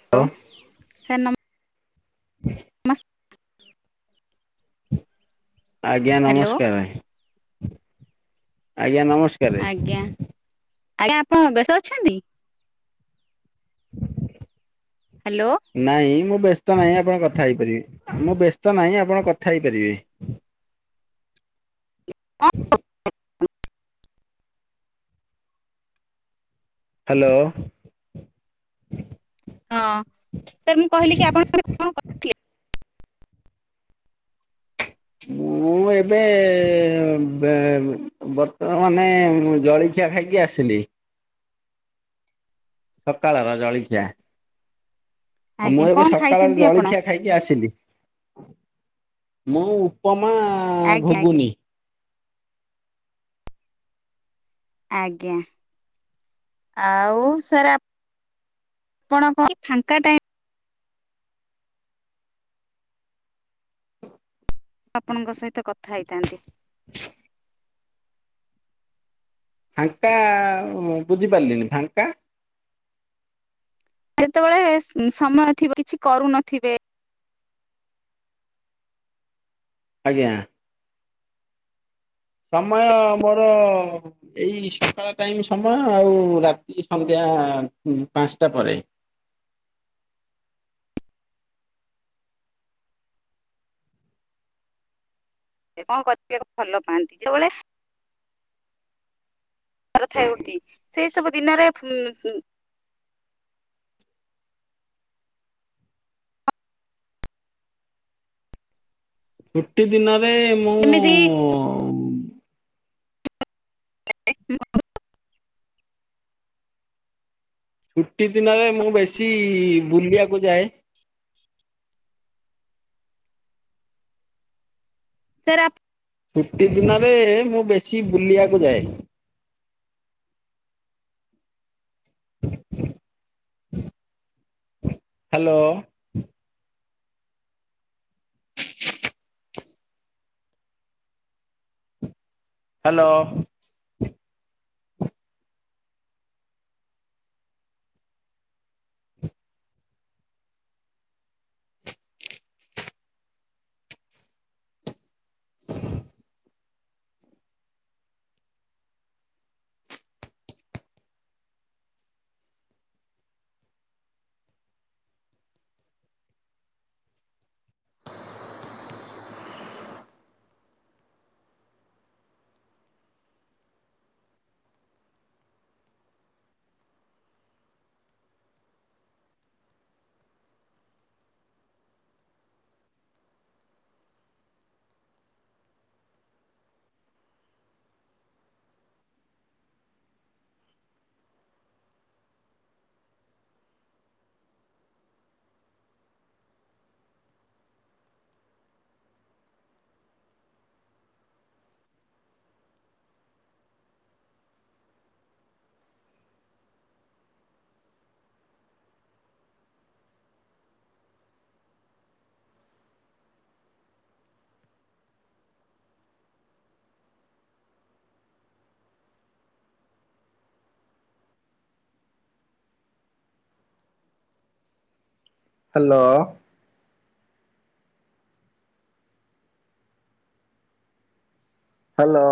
Hello, hello sir ନମ [unintelligible] [unintelligible] ଆଜ୍ଞା hello ନମସ୍କାରେ ଆଜ୍ଞା ନମସ୍କ୍ ଆଜ୍ଞା ଆଜ୍ଞା ଆପଣ ବ୍ୟସ୍ତ ଅଛନ୍ତି? ହ୍ୟାଲୋ। ନାଇ ମୁଁ ବ୍ୟସ୍ତ ନାହିଁ ଆପଣ କଥା ହେଇପାରିବେ ମୁଁ ବ୍ୟସ୍ତ ନାହିଁ ଆପଣ କଥା ହେଇପାରିବେ। ହଁ ହ୍ୟାଲୋ। ହଁ ସାର୍ ମୁଁ କହିଲି କି ଆପଣ ଏବେ ମୁଁ ଏବେ ବେ ବର୍ତ୍ତମାନେ ଜଳି ଖିଆ ଖାଇକି ଆସିଲି। ସକାଳର ଜଳଖିଆ। ହଁ ମୁଁ ଆଜ୍ଞା ଏବେ କଣ ସକାଳର ଖାଇଛନ୍ତି ଆପଣ ଜଳଖିଆ ଖାଇି କି ଆସିଲି ମୁଁ ଉପମା ଆଜ୍ଞା ଆଜ୍ଞା ଘୁଗୁନି। ଆଜ୍ଞା। ଆଉ ସାର୍ ଆପଣ କଣ କି ଫାଙ୍କା ଟାଇମ୍ ଆପଣଙ୍କ ସହିତ କଥା ହେଇଥାନ୍ତି। ଫାଙ୍କା ବୁଝିପାରିଲିନି ଫାଙ୍କା ଯେତେବେଳେ ସ ସମୟ ଥିବ କିଛି କରୁନଥିବେ। ଆଜ୍ଞା। ସମୟ ମୋର ଏଇ ସକାଳ ଟାଇମ ସମୟ ଆଉ ରାତି ସନ୍ଧ୍ୟା ପାଞ୍ଚଟା ପରେ। କଣ କରିଥିଲେ ଆଗ ଭଲ ପାଆନ୍ତି ଯେତେବେଳେ ଘର ଥାଏ ଉଠି ସେଇ ସବୁ ଦିନରେ ଉଁ ଉଁ ଛୁଟି ଦିନରେ ମୁଁ ଯେମିତି [unintelligible] ଛୁଟି ଦିନରେ ମୁଁ ବେଶୀ ବୁଲିବାକୁ ଯାଏ। ସାର୍ ଆପ୍ ଛୁଟି ଦିନରେ ମୁଁ ବେଶୀ ବୁଲିବାକୁ ଯାଏ। Hello. Hello. Hello. Hello.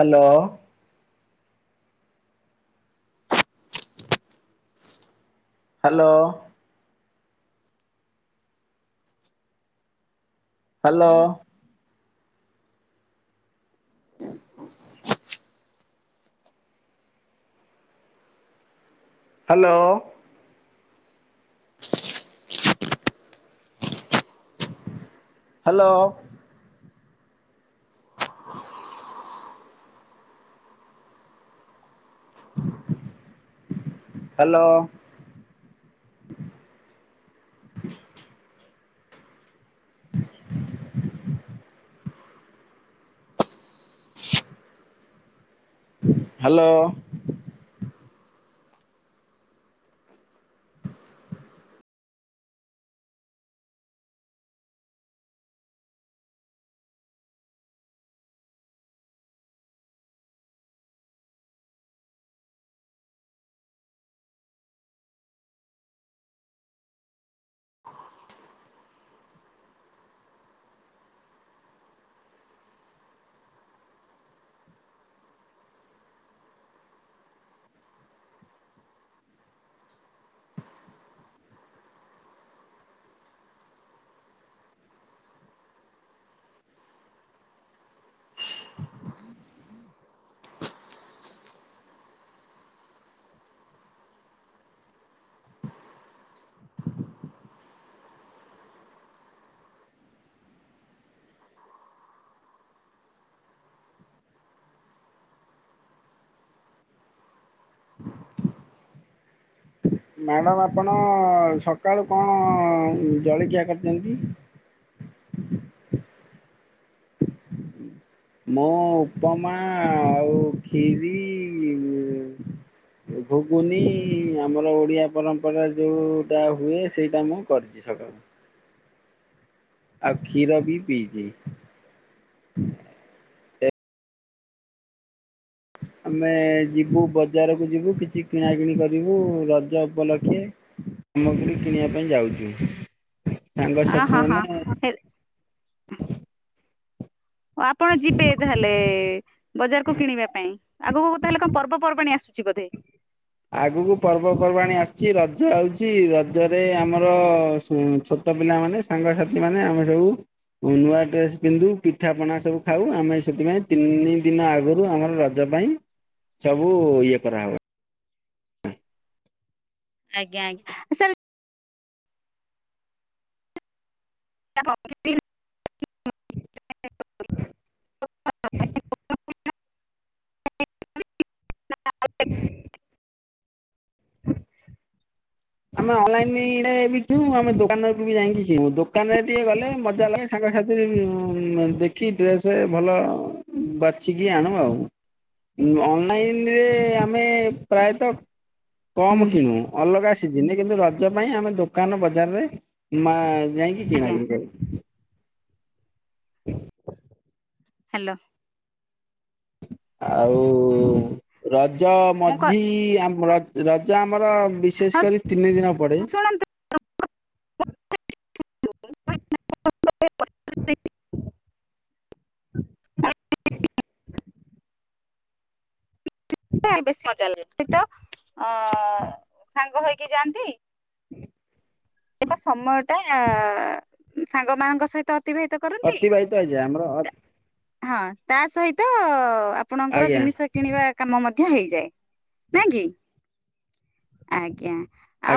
Hello. Hello. Hello. Hello. Hello. Hello. Hello. ନାଇଁ ମ୍ୟାମ୍ ଆପଣ ସକାଳୁ କଣ ଜଳଖିଆ କରିଛନ୍ତି? ମୁଁ ଉପମା ଆଉ ଖିରି ଘୁଗୁନି ଆମର ଓଡିଆ ପରମ୍ପରା ଯୋଉଟା ହୁଏ ସେଇଟା ମୁଁ କରିଚି। ଜି ସକାଳୁ ଆଉ କ୍ଷୀର ବି ପିଇଚି। ଆମେ ଯିବୁ ବଜାରକୁ ଯିବୁ କିଛି କିଣାକିଣି କରିବୁ ରଜ ଉପଲକ୍ଷେ। ସାମଗ୍ରୀ କିଣିବା ପାଇଁ ଯାଉଛୁ ସାଙ୍ଗସାଥି ହଁ ମାନେ ହଁ ଓ ଆପଣ ଯିବେ ତାହେଲେ ବଜାରକୁ କିଣିବା ପାଇଁ? ଆଗକୁ ତା ହେଲେ କଣ ପର୍ବପର୍ବାଣି ଆସୁଛି ବୋଧେ। ଆଗକୁ ପର୍ବପର୍ବାଣିୀ ଆସିଛି ରଜ ଆଉଛି ରଜରେ ଆମର ଛୋ ଛୋଟ ପିଲାମାନେ ସାଙ୍ଗସାଥି ମାନେ ଆମେ ସବୁ। ନୂଆ ଡ୍ରେସ ପିନ୍ଧୁ ପିଠା ପଣା ସବୁ ଖାଉ ଆମେ ସେଥିପାଇଁ ତିନି ଦିନ ଆଗରୁ ଆମର ର ରଜ ପାଇଁ ସବୁ ଇଏ କରା ହବ। ଆଜ୍ଞା ଆଜ୍ଞା। ସାର୍ [inaudible] ହୁଁ। [inaudible] ଆମେ ଅନଲାଇନ ବି କଉ ଆମେ ଦୋକାନକୁ ବି ଯାଇକି କିଣୁ ଦୋକାନରେ ଟିକେ ଗଲେ ମଜା ଲାଗେ। ସାଙ୍ଗ ସାଥି ଦେଖି ଡ୍ରେସ ଭଲ ବାଛିିକି ଆଣୁ ଆଉ ଅନଲାଇନରେ ଆମେ ପ୍ରାୟତଃ କମ କିଣୁ ଅଲଗା ସିଜିନି କିନ୍ତୁ ରଜ ପାଇଁ ଆମେ ଦୋକାନ ବଜାରରେ ମା ଯାଇ ଆଜ୍ଞା [unintelligible] ହୁଁ। ହ୍ୟାଲୋ। ଆଉ ରଜ ମୁଁ କ ମଝି ଆମ ର ରଜ ଆମର ହଁ ବିଶେଷ କରି ତିନି ଦିନ ପଡ଼େ। [inaudible] [inaudible] ବେଶୀ ମଜା ଲାଗ ସେ ତ ଅ ସାଙ୍ଗ ହେଇକି ଯାଆନ୍ତି। [inaudible] ଏକ ସମୟଟା ସାଙ୍ଗ ମାନଙ୍କ ସହିତ ଅତିବାହିତ କରନ୍ତି। ଅତିବାହିତ ହେଇଯାଏ ଆମର ହଁ ତା ସହିତ ଆପଣଙ୍କର ଆଜ୍ଞା ଜିନିଷ କିଣିବା କାମ ମଧ୍ୟ ହେଇଯାଏ ନାଇଁ କି ଆଜ୍ଞା।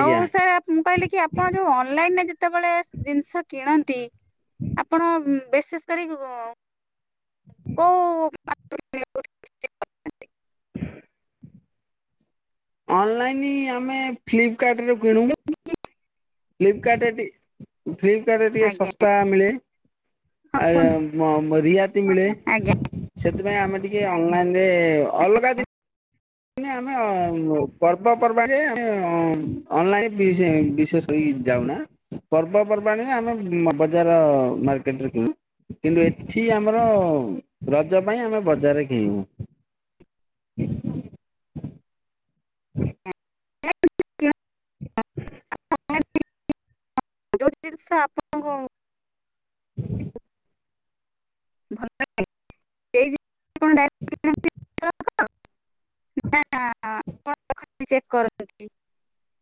ଆଉ ସାର୍ ମୁଁ କହିଲି କି ଆପଣ ଯୋଉ ଅନଲାଇନ ରେ ଯେତେବେଳେ ଜିନିଷ କିଣନ୍ତି? ଆପଣ ବେସେଷ କରିକି ଓ। ଅନଲାଇନ୍ଁ ଆମେ ଫ୍ଲିପକାର୍ଟରେ କିଣୁ? ଫ୍ଲିପକାର୍ଟରେ ଟିକ ଫ୍ଲିପକାର୍ଟରେ ଟିକେ ଆଜ୍ଞା ଶସ୍ତା ମିଳେ ହଁ ଆୟ କୁହନ୍ତୁ ମ ମ ରିହାତି ମିଳେ ଆଜ୍ଞା ସେଥିପାଇଁ ଆମେ ଟିକେ ଅନଲାଇନରେ ଅଲଗା ଦେ ଆମେ ପର୍ବପର୍ବାଣିରେ ଆ [unintelligible] ଅନଲାଇନ ବିଶେଷ ଯାଉନା ପର୍ବପର୍ବାଣି ଆମେ ବଜାର ମାର୍କେଟରେ କିଣୁ କିନ୍ତୁ ଏଠି ଆମର ରଜ ପାଇଁ ଆମେ ବଜାରରେ କିଣିବୁ? [unintelligible] [unintelligible] ଯୋଉ ଜିନିଷ ଆପଣଙ୍କୁ [unintelligible] [unintelligible] ନା ଆପଣା ଖ [unintelligible] ଚେକ୍ କରନ୍ତି।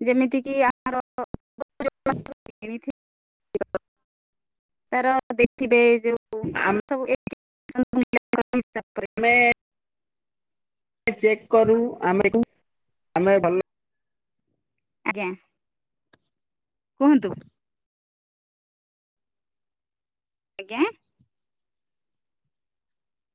ଯେମିତିକି ଆମର [unintelligible] ତାର ଦେଖିବେ ଯୋଉ [unintelligible] ଆମ ସବୁ ଏକ [unintelligible] ମେ ଚେକ୍ କରୁ ଆମେ ଆମେ ଭଲ [unintelligible] ଆଜ୍ଞା କୁହନ୍ତୁ? ଆଜ୍ଞା